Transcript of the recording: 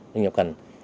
doanh nghiệp cần